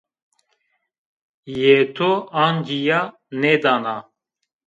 Yê to ancîya nêdana